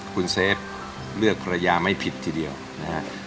คุณเซฟเลือกระยะไม่ผิดทีเดียวนะครับ